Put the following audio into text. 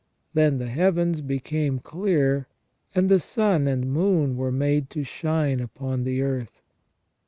Then the heavens became clear, and the sun and moon were made to shine upon the earth.